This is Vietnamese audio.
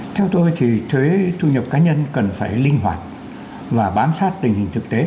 theo tôi thì thuế thu nhập cá nhân cần phải linh hoạt và bám sát tình hình thực tế